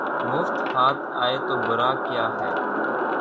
مفت ہاتھ آئے تو برا کیا ہے